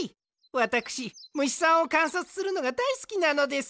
わたくしむしさんをかんさつするのがだいすきなのです。